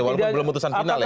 walaupun belum putusan final ya